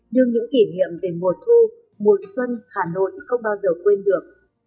nhưng những kỷ niệm về mùa thu mùa xuân hà nội không bao giờ quên được